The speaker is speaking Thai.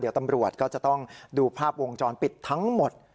เดี๋ยวตำรวจก็จะต้องดูภาพวงจรปิดทั้งหมด